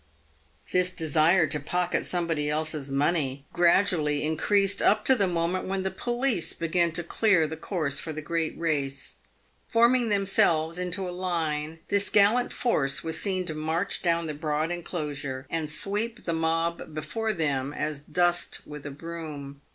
This desire to pocket somebody else's money gradu ally increased up to the moment when the police began to clear the course for the great race. Forming themselves into a line, this gallant force was seen to march down the broad enclosure and sweep the mob before them as dust with a broom.